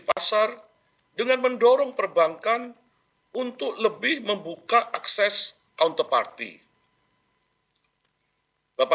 pasar dengan mendorong perbankan untuk lebih membuka akses counterparty bapak